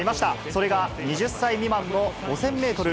それが２０歳未満の５０００メートル